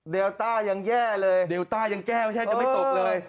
เดลต้ายังแย่เลยเดลต้ายังแก้ไม่ตกเลย